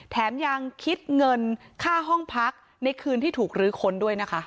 แถมยังคิดเงินค่าห้องพักในคืนที่ถูกลื้อค้นด้วยนะคะ